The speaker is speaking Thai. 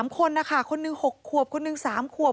๓คนนะคะคนหนึ่ง๖ขวบคนหนึ่ง๓ขวบ